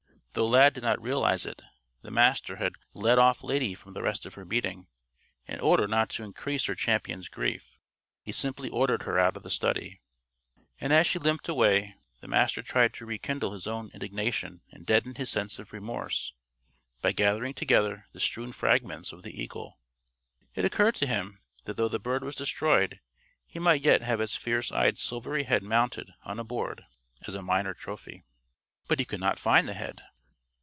Though Lad did not realize it, the Master had "let off" Lady from the rest of her beating, in order not to increase her champion's grief. He simply ordered her out of the study. And as she limped away, the Master tried to rekindle his own indignation and deaden his sense of remorse by gathering together the strewn fragments of the eagle. It occurred to him that though the bird was destroyed, he might yet have its fierce eyed silvery head mounted on a board, as a minor trophy. But he could not find the head.